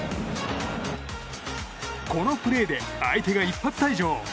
このプレーで相手が一発退場。